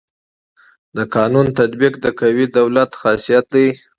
د قانون تطبیق د قوي دولت خاصيت دی.